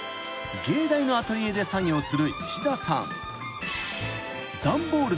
［藝大のアトリエで作業する石田さん］